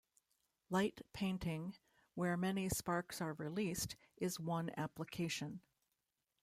Light painting, where many sparks are released, is one application.